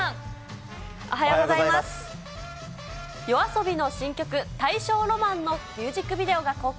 ＹＯＡＳＯＢＩの新曲、大正浪漫のミュージックビデオが公開。